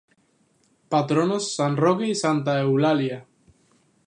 Patronos: San Roque y Santa Eulalia.